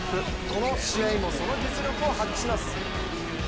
この試合もその実力を発揮します。